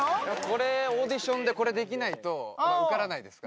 これオーディションでこれできないと受からないです